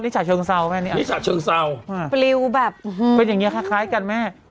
นี่ฉะเชิงเศร้าแม่นี่นี่ฉะเชิงเศร้าอ่าเป็นอย่างเงี้ยคล้ายคล้ายกันแม่